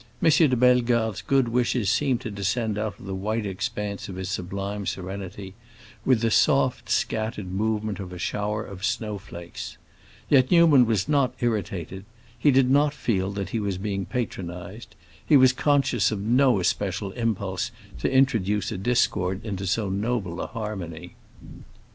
de Bellegarde's good wishes seemed to descend out of the white expanse of his sublime serenity with the soft, scattered movement of a shower of snow flakes. Yet Newman was not irritated; he did not feel that he was being patronized; he was conscious of no especial impulse to introduce a discord into so noble a harmony.